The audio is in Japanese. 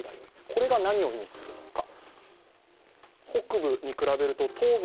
これが何を意味するのか。